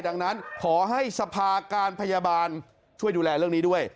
ดังนั้นขอให้สภาการพยาบาลช่วยดูแลเรื่องนี้ด้วย